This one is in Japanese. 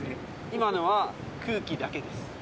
今のは空気だけです。